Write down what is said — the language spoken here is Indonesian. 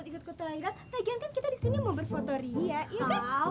sikut sikut kota iran pagi kan kita di sini mau berfoto riak iya kan